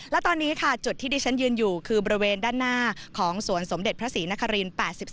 และตอนนี้ค่ะจุดที่ดิฉันยืนอยู่คือบริเวณด้านหน้าของสวนสมเด็จพระศรีนคริน๘๓